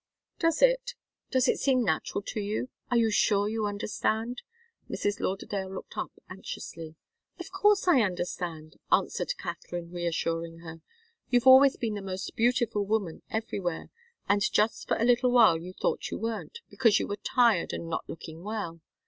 "Does it? Does it seem natural to you? Are you sure you understand?" Mrs. Lauderdale looked up anxiously. "Of course I understand!" answered Katharine, reassuring her. "You've always been the most beautiful woman everywhere, and just for a little while you thought you weren't, because you were tired and not looking well.